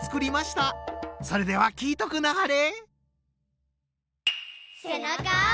それでは聴いとくなはれ。